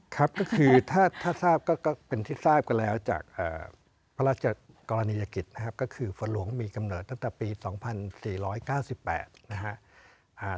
ครับก็คือถ้าทราบก็เป็นที่ทราบกันแล้วจากพระราชกรณียกิจนะครับก็คือฝนหลวงมีกำเนิดตั้งแต่ปี๒๔๙๘นะครับ